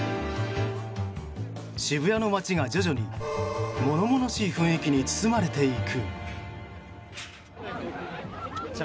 渋谷の街が徐々に物々しい雰囲気に包まれていく。